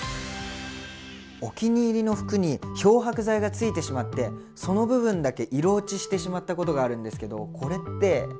お気に入りの服に漂白剤がついてしまってその部分だけ色落ちしてしまったことがあるんですけどこれって。